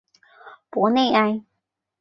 博内埃。